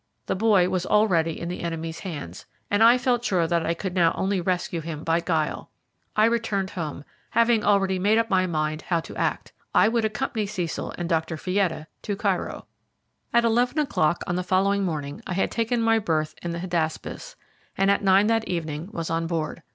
The boy was already in the enemy's hands, and I felt sure that I could now only rescue him by guile. I returned home, having already made up my mind how to act. I would accompany Cecil and Dr. Fietta to Cairo. At eleven o'clock on the following morning I had taken my berth in the Hydaspes, and at nine that evening was on board.